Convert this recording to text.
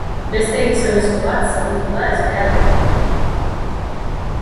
Beste gizonezko bat zauritu da ezbehar horretan.